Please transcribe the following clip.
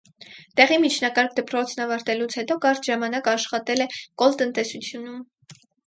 Տեղի միջնակարգ դպրոցն ավարտելուց հետո կարճ ժամանակ աշխատել է կոլտնտեսությունում։